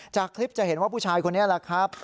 จากคลิปจะเห็นว่าผู้ชายคนนี้แหละครับ